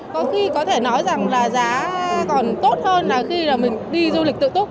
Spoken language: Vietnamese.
có khi có thể nói rằng là giá còn tốt hơn là khi mình đi du lịch tự túc